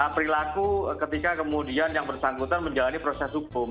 perilaku ketika kemudian yang bersangkutan menjalani proses hukum